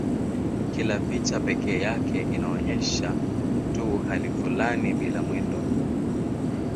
Kila picha pekee yake inaonyesha tu hali fulani bila mwendo.